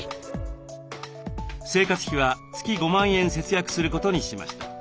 生活費は月５万円節約することにしました。